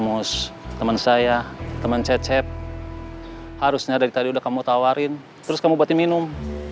terus teman saya teman cecep harusnya dari tadi udah kamu tawarin terus kamu buatin minum